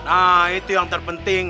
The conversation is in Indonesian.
nah itu yang terpenting